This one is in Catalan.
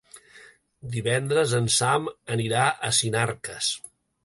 Divendres en Sam anirà a Sinarques.